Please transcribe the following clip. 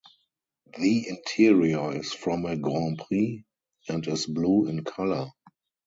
The interior is from a Grand Prix and is blue in color.